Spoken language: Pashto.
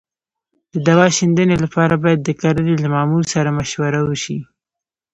د دوا شیندنې لپاره باید د کرنې له مامور سره مشوره وشي.